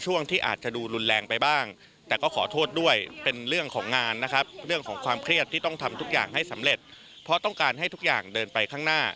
ที่อาจจะดูรุนแรงไปบ้างแต่ก็ขอโทษด้วยเป็นเรื่องของงานนะครับเรื่องของความเครียดที่ต้องทำทุกอย่างให้สำเร็จเพราะต้องการให้ทุกอย่างเดินไปข้างหน้า